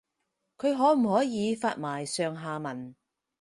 佢可唔可以發埋上下文